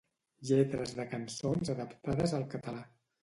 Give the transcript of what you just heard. Lletres de cançons adaptades al català.